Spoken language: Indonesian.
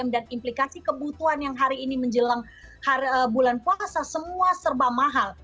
dan implikasi kebutuhan yang hari ini menjelang bulan puasa semua serba mahal